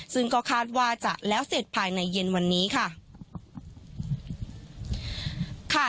ซึ่งก็คาดว่าจะแล้วเสร็จภายในเย็นวันนี้ค่ะ